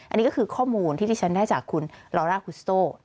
อันนี้ก็คือข้อมูลที่ที่ฉันได้จากคุณลอร่าคุสโต้